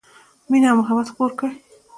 مینه او محبت خپور کړئ